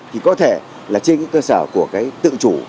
thì có thể là trên cơ sở của cái tự chủ